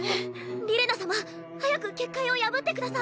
リレナ様早く結界を破ってください！